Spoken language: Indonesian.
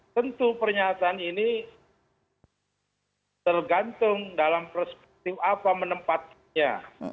tentu pernyataan ini tergantung dalam perspektif apa menempatkannya